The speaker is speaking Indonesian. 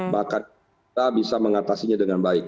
bahkan kita bisa mengatasinya dengan baik